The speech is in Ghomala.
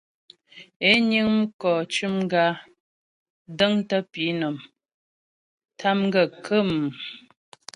É niŋ mkɔ cʉm gǎ, dəŋtə pǐnɔm, tâm gaə́ khə̌mmm.